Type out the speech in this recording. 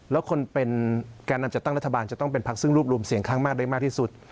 แล้วคนเป็นแก่นำจัดตั้งรัฐบาลจะต้องเป็นพักซึ่งรวบรวมเสียงข้างมากได้มากที่สุด